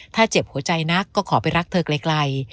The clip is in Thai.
ถ้าเจ็บหัวใจนักก็ขอไปรักเธอไกล